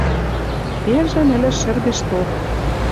Пелжӹм ӹлӹш шӹргӹшток